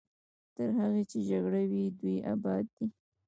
تر هغې چې جګړه وي دوی اباد دي.